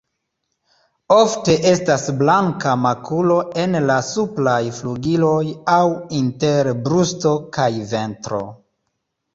Ofte estas blanka makulo en la supraj flugiloj aŭ inter brusto kaj ventro.